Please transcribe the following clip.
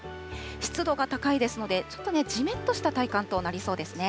湿度が高いですので、ちょっとね、じめっとした体感となりそうですね。